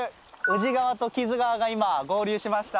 宇治川と木津川が今合流しました。